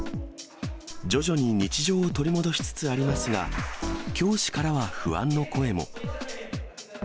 徐々に日常を取り戻しつつありますが、教師からは不安の声も。